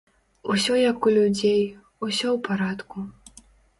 Усё як у людзей, усё ў парадку.